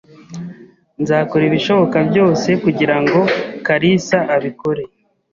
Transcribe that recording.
Nzakora ibishoboka byose kugirango kalisa abikore.